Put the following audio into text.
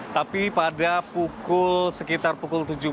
tapi pada pukul sekitar pukul tujuh tiga puluh